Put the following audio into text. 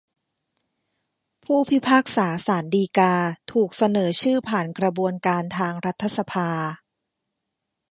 ผู้พิพากษาศาลฎีกาถูกเสนอชื่อผ่านกระบวนการทางรัฐสภา